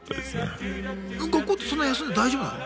学校ってそんな休んで大丈夫なの？